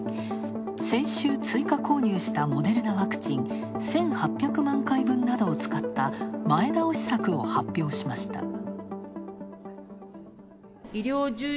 先週、追加購入したモデルナワクチン１８００万回分などを使った前倒し策を発表しました。